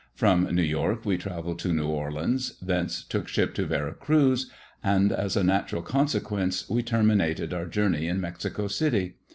From New York we travelled to New Orleans, thence took ship to Vera Cruz, and, as a natural con ' sequence, we terminated our journey in Mexico City.